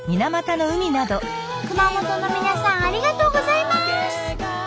熊本の皆さんありがとうございます！